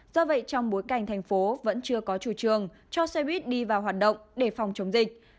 do vậy trong bối cảnh thành phố vẫn chưa có chủ trường cho xe buýt đi vào hoạt động để phòng chống dịch